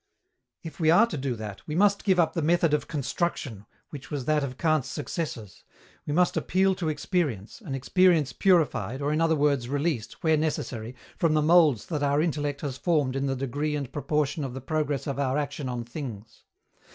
If we are to do that, we must give up the method of construction, which was that of Kant's successors. We must appeal to experience an experience purified, or, in other words, released, where necessary, from the molds that our intellect has formed in the degree and proportion of the progress of our action on things.